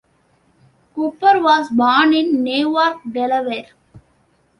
Cooper was born in Newark, Delaware.